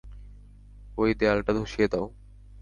ওই দেয়ালটা ধসিয়ে দাও।